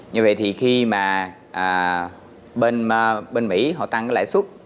như vậy thì khi bên mỹ tăng lãi xuất